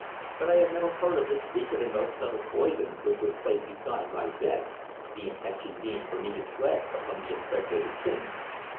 But I have never heard of this secret and most subtle poison which was placed beside my bed, the intention being for me to tread upon the impregnated pin."